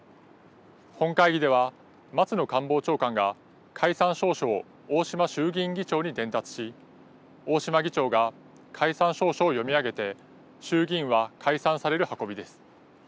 本会議では松野官房長官が解散詔書を大島衆議院議長に伝達し、大島議長が解散詔書を読み上げて衆議院は解散される運びです。